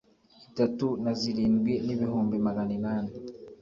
itatu na zirindwi n ibihumbi magana inani